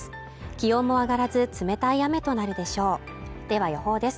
気温も上がらず冷たい雨となるでしょうでは予報です。